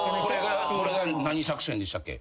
これが何作戦でしたっけ？